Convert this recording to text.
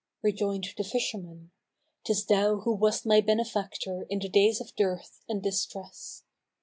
Rejoined the fisherman, "'Tis thou who wast my benefactor in the days of dearth and distress."